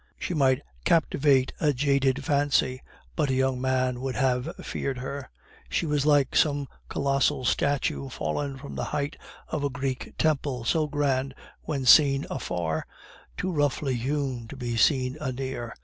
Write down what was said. She might captivate a jaded fancy, but a young man would have feared her. She was like some colossal statue fallen from the height of a Greek temple, so grand when seen afar, too roughly hewn to be seen anear.